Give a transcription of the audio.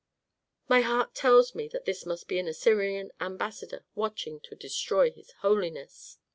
"My heart tells me that this must be an Assyrian ambassador watching to destroy his holiness."